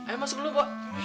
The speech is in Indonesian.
eh masuk dulu bu